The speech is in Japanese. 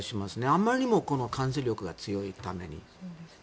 あんまりにも感染力が強いために。